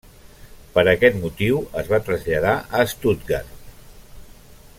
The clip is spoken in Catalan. Per aquest motiu es va traslladar a Stuttgart.